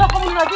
loh kamu lagi